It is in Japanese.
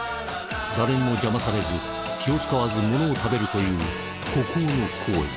誰にも邪魔されず気を遣わずものを食べるという孤高の行為。